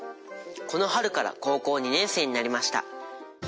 この春から高校２年生になりました。